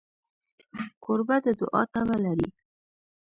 کوربه د دوعا تمه لري.